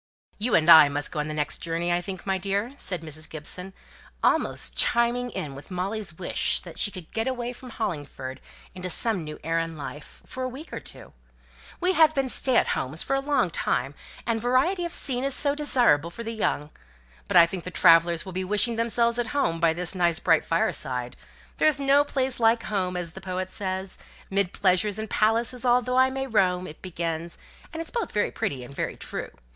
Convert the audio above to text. "You and I must go on the next journey, I think, my dear," said Mrs. Gibson, almost chiming in with Molly's wish that she could get away from Hollingford into some new air and life, for a week or two. "We have been stay at homes for a long time, and variety of scene is so desirable for the young! But I think the travellers will be wishing themselves at home by this nice bright fireside. 'There's no place like home,' as the poet says. 'Mid pleasures and palaces although I may roam,' it begins, and it's both very pretty and very true.